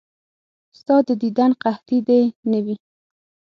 ستا د دیدن قحطي دې نه وي.